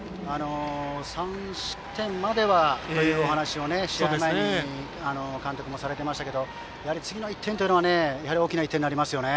３失点まではというお話を試合前に監督もされていましたがやはり次の１点は大きな１点になりますよね。